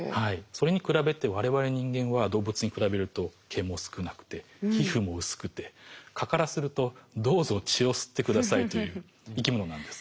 それに比べてわれわれ人間は動物に比べると毛も少なくて皮膚も薄くて蚊からするとどうぞ血を吸って下さいという生き物なんです。